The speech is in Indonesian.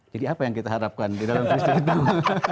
jadi apa yang kita harapkan di dalam presiden itu